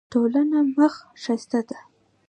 ټوله مخ ښایسته ده.